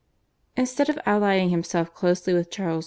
Instead of allying himself closely with Charles V.